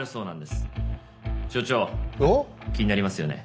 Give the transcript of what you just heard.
所長気になりますよね？